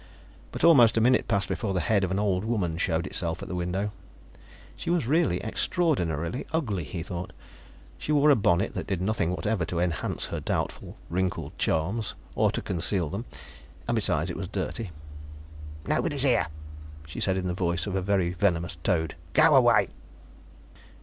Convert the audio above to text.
But almost a minute passed before the head of an old woman showed itself at the window. She was really extraordinarily ugly, he thought. She wore a bonnet that did nothing whatever to enhance her doubtful, wrinkled charms, or to conceal them; and besides, it was dirty. "Nobody's here," she said in the voice of a very venomous toad. "Go away."